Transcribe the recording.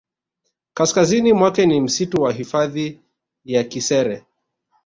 Kaskazini kwake ni msitu wa hifadhi ya Kisere